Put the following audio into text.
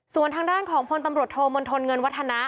ส่วนทางด้านของพลตำรวจโทมนทนเงินวัฒนะ